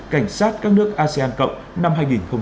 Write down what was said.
cảnh sát các nước asean cộng năm hai nghìn hai mươi